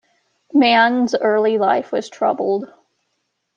Mann's early life was troubled.